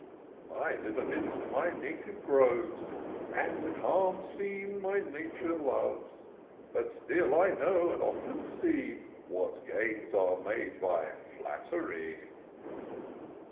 I live amidst my native groves, And the calm scene my nature loves : But still I know, and often see. What gains are made by flattery."